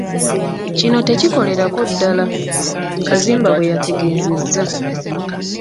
"Kino tekikolerako ddala,” Kazimba bwe yategeezezza.